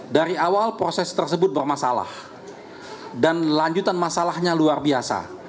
dari awal proses tersebut bermasalah dan lanjutan masalahnya luar biasa